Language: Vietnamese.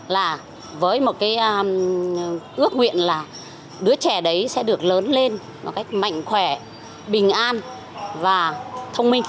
là với một cái ước nguyện là đứa trẻ đấy sẽ được lớn lên một cách mạnh khỏe bình an và thông minh